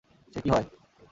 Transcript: সে কি হয়!